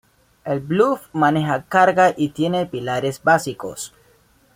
El Bluff maneja carga y tiene pilares básicos.